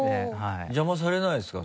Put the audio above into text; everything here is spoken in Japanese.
邪魔されないですか？